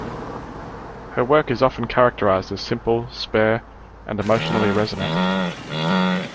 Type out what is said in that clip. Her work is often characterized as simple, spare, and emotionally resonant.